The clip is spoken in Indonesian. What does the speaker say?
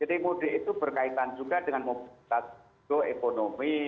jadi mudik itu berkaitan juga dengan mobilitas ekonomi